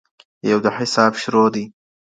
يو د حساب شروع دئ.